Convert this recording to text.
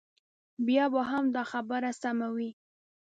بیا به هم دا خبره سمه وي.